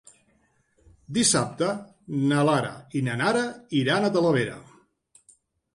Dissabte na Lara i na Nara iran a Talavera.